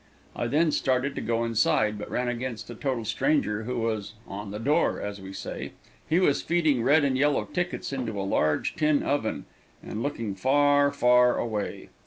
I then started to go inside, but ran against a total stranger, who was "on the door," as we say. He was feeding red and yellow tickets into a large tin oven, and looking far, far away.